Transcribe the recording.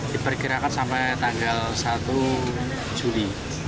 diperkirakan sampai tanggal satu juli